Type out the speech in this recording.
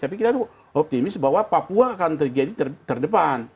tapi kita optimis bahwa papua akan terjadi terdepan